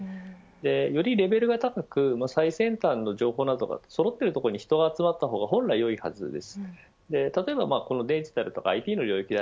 よりレベルが高く最先端の情報などが集まっているそろっている所に人が集まった方がいいはずです。